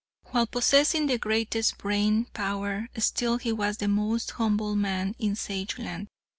While possessing the greatest brain power, still he was the most humble man in Sageland.